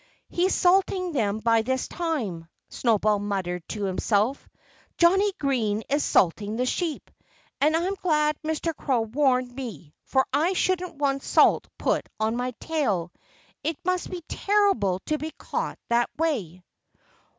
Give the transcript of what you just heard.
"He's salting them by this time," Snowball muttered to himself. "Johnnie Green is salting the sheep. And I'm glad Mr. Crow warned me, for I shouldn't want salt put on my tail. It must be terrible to be caught that way."